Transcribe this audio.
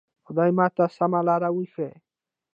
خدایه ماته سمه لاره وښیه.